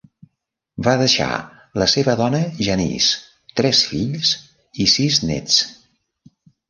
Va deixar la seva dona Janice, tres fills i sis nets.